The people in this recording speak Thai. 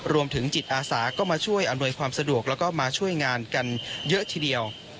รวมถึงจิตอาสาก็มาช่วยอำนวยความสะดวกแล้วก็มาช่วยงานกันเยอะทีเดียว